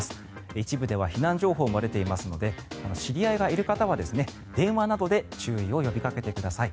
一部では避難情報も出ていますので知り合いがいる方は電話などで注意を呼びかけてください。